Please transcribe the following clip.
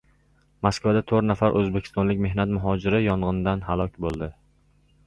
Moskvada to‘rt nafar o‘zbekistonlik mehnat muhojiri yong‘inda halok bo‘ldi